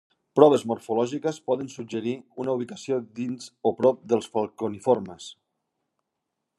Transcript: Proves morfològiques podrien suggerir una ubicació dins o prop dels Falconiformes.